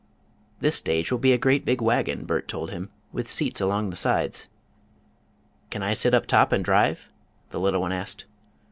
"This stage will be a great, big wagon," Bert told him, "with seats along the sides." "Can I sit up top and drive?" the little one asked.